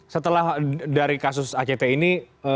setelah dari kasus act ini